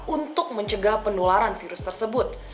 untuk mencegah penularan virus tersebut